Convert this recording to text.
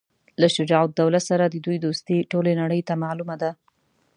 له شجاع الدوله سره د دوی دوستي ټولي نړۍ ته معلومه ده.